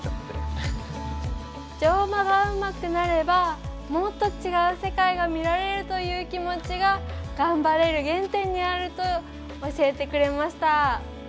乗馬がうまくなればもっと違う世界を見られるという気持ちが頑張れる原点にあると教えてくれました。